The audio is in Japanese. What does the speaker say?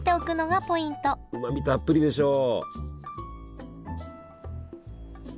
うまみたっぷりでしょう。